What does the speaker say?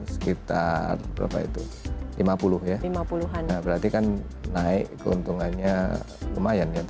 sekitar berapa itu lima puluh ya berarti kan naik keuntungannya lumayan ya